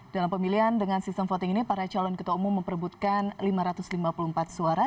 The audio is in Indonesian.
dalam pemilihan dengan sistem voting ini para calon ketua umum memperbutkan lima ratus lima puluh empat suara